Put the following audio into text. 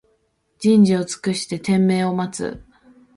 人事を尽くして天命を待つ